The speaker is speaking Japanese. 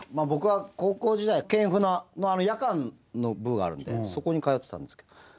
僕は高校時代県船の夜間の部があるのでそこに通ってたんですけど。